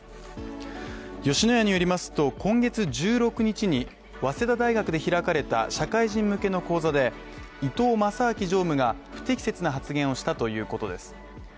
吉野家によりますと今月１６日に、早稲田大学で開かれた社会人向けの講座で伊東正明常務が不適切な発言をしたということです。